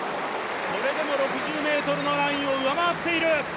それでも６０ｍのラインを上回っている。